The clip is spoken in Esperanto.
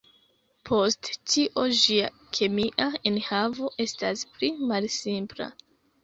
Pro tio ĝia kemia enhavo estas pli malsimpla.